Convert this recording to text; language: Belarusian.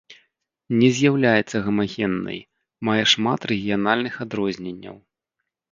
Не з'яўляецца гамагеннай, мае шмат рэгіянальных адрозненняў.